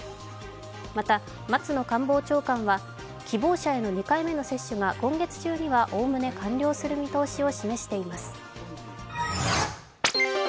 また、松野官房長官は希望者への２回目の接種が今月中にはおおむね完了する見通しを示しています。